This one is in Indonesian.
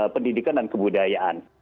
pendidikan dan kebudayaan